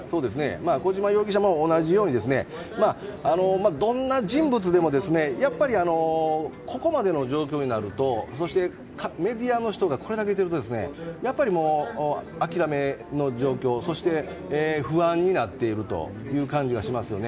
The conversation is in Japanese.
小島容疑者も同じようにどんな人物でもやっぱりここまでの状況になるとそして、メディアの人がこれだけいるとやっぱり諦めの状況そして不安になっているという感じがしますよね。